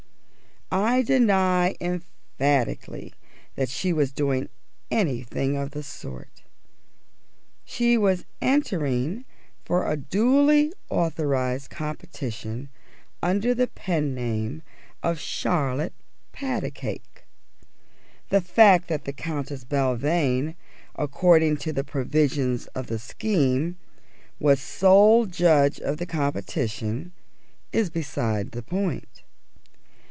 I deny emphatically that she was doing anything of the sort. She was entering for a duly authorised competition under the pen name of Charlotte Patacake. The fact that the Countess Belvane, according to the provisions of the scheme, was sole judge of the competition, is beside the point.